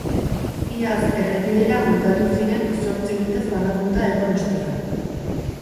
Iaz errepidera bueltatu ziren zortzi urtez bananduta egon ostean.